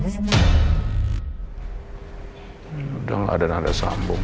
sudah tidak ada nada sambung